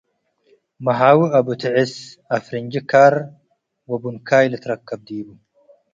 መሃዊ፣ አቡ-ትዕስ፡ አፍርንጂ፡ ካር ወቡንካይ ልትርከብ ዲቡ ።